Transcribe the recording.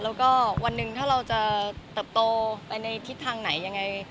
แล้วก็วันหนึ่งถ้าเราจะเติบโตไปในทิศทางไหนยังไง